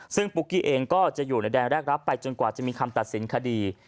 ซึ่งปุ๊กกี้เองก็จะอยู่ในแดนแรกรับไปจนกว่าจะมีคำตัดสินคดี